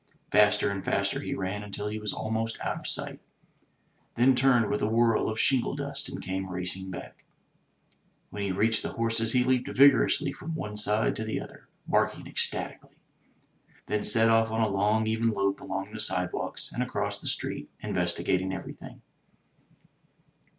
Faster and faster he ran, until he was almost out of sight; then turned with a whirl of shingle dust and came racing back. When he reached the horses he leaped vigorously from one side to the other, barking ecstatically; then set off on a long even lope along the sidewalks and across the street, investigating everything.